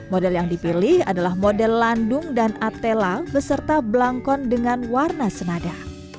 model yang dipilih adalah model landung dan atella beserta belangkon dengan warna senada